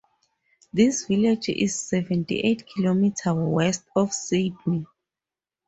This village is seventy-eight kilometres west of Sydney.